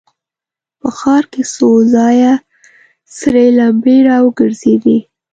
په ښار کې څو ځايه سرې لمبې را وګرځېدې.